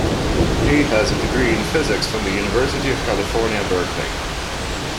He has a degree in physics from the University of California, Berkeley.